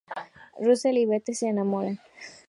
Russell y Betty se enamoran.